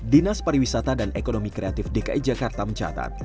dinas pariwisata dan ekonomi kreatif dki jakarta mencatat